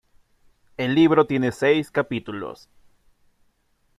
El libro tiene seis capítulos.